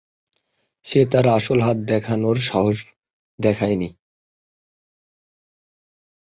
সে তার আসল হাত দেখানোর সাহস দেখায়নি।